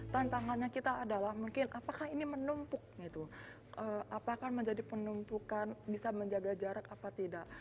tantangannya kita adalah mungkin apakah ini menumpuk gitu apakah menjadi penumpukan bisa menjaga jarak apa tidak